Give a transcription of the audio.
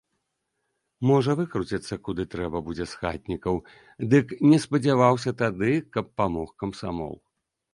Можа выкруціцца куды трэба будзе з хатнікаў, дык не спадзяваўся тады, каб памог камсамол.